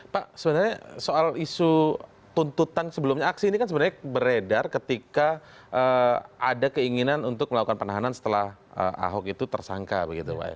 pak sebenarnya soal isu tuntutan sebelumnya aksi ini kan sebenarnya beredar ketika ada keinginan untuk melakukan penahanan setelah ahok itu tersangka begitu pak ya